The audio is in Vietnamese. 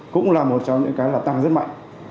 cũng là một trong những cái là tăng rất mạnh